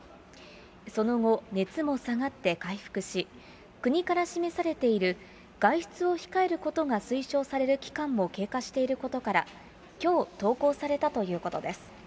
その後、熱も下がって回復し、国から示されている外出を控えることが推奨される期間も経過していることから、きょう登校されたということです。